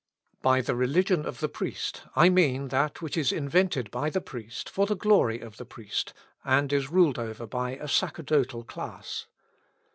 By the religion of the priest, I mean that which is invented by the priest for the glory of the priest, and is ruled over by a sacerdotal caste.